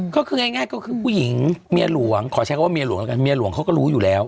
ก็คือง่ายก็คือผู้หญิงเมียหลวงขอใช้คำว่าเมียหลวงแล้วกันเมียหลวงเขาก็รู้อยู่แล้ว